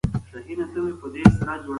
آیا پلار به نن کور ته کتابونه راوړي؟